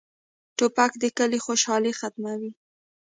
توپک د کلي خوشالي ختموي.